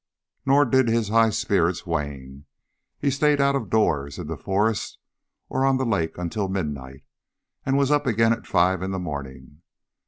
Nor did his high spirits wane. He stayed out of doors, in the forest or on the lake, until midnight, and was up again at five in the morning.